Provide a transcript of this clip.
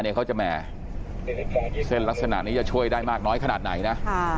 เขาจะแหม่เส้นลักษณะนี้จะช่วยได้มากน้อยขนาดไหนนะ